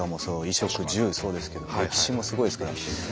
衣食住そうですけど歴史もすごいですけど。